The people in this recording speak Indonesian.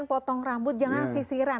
potong rambut jangan sisiran